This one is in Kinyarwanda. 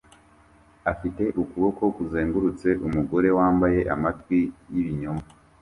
afite ukuboko kuzengurutse umugore wambaye amatwi yibinyoma